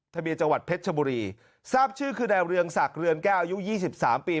ทะเบียนจังหวัดเพชรชบุรีทราบชื่อคือดาวเรืองศักดิ์เรือนแก้วอายุยี่สิบสามปี